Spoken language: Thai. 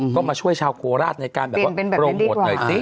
ก็มาช่วยชาวโคราชในการแบบว่าโปรโมทหน่อยสิ